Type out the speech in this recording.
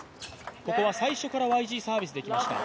ここは最初からＹＧサービスできました。